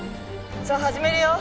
さあ始めるよ。